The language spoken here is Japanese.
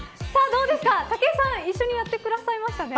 どうですか武井さん、一緒にやってくださいましたね。